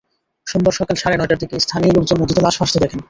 সোমবার সকাল সাড়ে নয়টার দিকে স্থানীয় লোকজন নদীতে লাশ ভাসতে দেখেন।